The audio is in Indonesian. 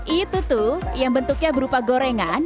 itu tuh yang bentuknya berupa gorengan